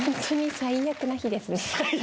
最悪な日ですね